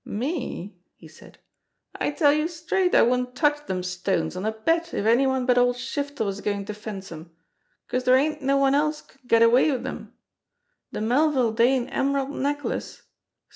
"Me," he said, "I tell youse straight I wouldn't touch dem stones on a bet if any one but old Shiftel was goin' to fence 'em, 'cause dere ain't no one else could get away wid 'em. De Melville Dane emerald necklace!